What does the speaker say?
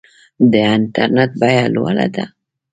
د انټرنیټ بیه لوړه ده؟